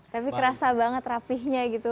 tapi kerasa banget rapihnya gitu